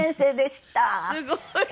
すごい。